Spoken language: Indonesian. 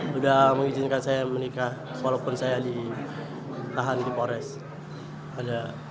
sudah mengizinkan saya menikah walaupun saya ditahan di polres pada tiga tahun